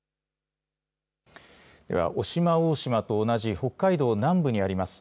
では、渡島大島と同じ、北海道南部にあります